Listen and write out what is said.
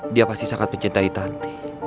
dia pasti sangat mencintai tanti